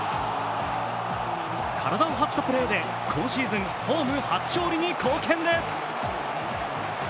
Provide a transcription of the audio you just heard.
体をはったプレーで今シーズンホーム初勝利に貢献です。